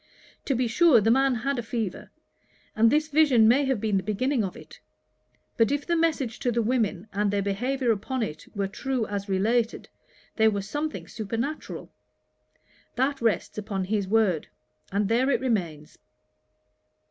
To be sure the man had a fever; and this vision may have been the beginning of it. But if the message to the women, and their behaviour upon it, were true as related, there was something supernatural. That rests upon his word; and there it remains.'